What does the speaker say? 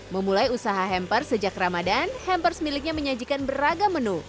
memulai usaha hampers sejak ramadan hampers miliknya menyajikan beragam menu